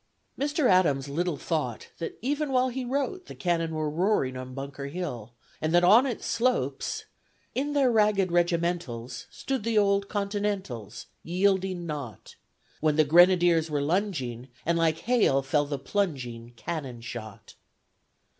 ..." Mr. Adams little thought that even while he wrote, the cannon were roaring on Bunker Hill, and that on its slopes, In their ragged regimentals Stood the old Continentals, Yielding not, When the grenadiers were lunging, And like hail fell the plunging Cannon shot.